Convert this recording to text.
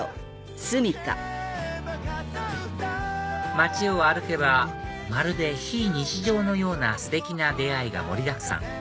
町を歩けばまるで非日常のようなステキな出会いが盛りだくさん